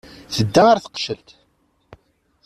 Tedda ɣer teqcelt.